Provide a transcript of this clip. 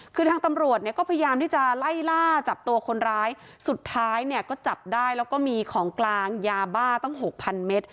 คือทางตำรวจเนี่ยก็พยายามที่จะไล่ล่าจับตัวคนร้ายสุดท้ายเนี่ยก็จับได้แล้วก็มีของกลางยาบ้าตั้งหกพันเมตร